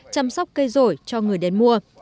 chăm sóc cây rổi cho người đến mua